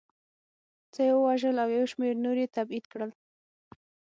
څه یې ووژل او یو شمېر نور یې تبعید کړل